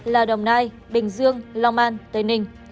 là đồng nai bình dương long an tây ninh